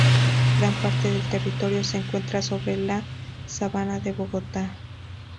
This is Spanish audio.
Gran parte del territorio se encuentra sobre la Sabana de Bogotá.